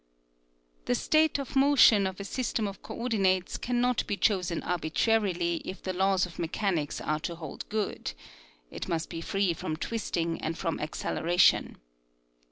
The state of motion of a system of co ordinates can not be chosen arbitrarily if the laws of mechanics are to hold good (it must be free from twisting and from acceleration).